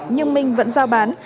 nhưng minh vẫn giao bán